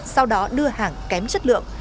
sau đó đưa hàng kém chất lượng